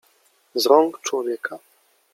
z rąk człowieka.